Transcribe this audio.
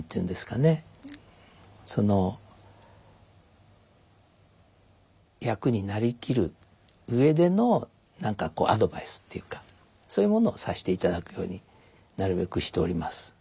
その役に成りきる上での何かアドバイスっていうかそういうものをさしていただくようになるべくしております。